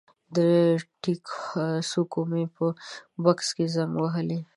د ټیک څوکو مې په بکس کې زنګ وهلی